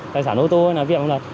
tài sản ô tô hay là viện không được